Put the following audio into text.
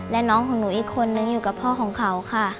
และน้องของหนูอีกคนนึงอยู่กับพ่อของเขาค่ะ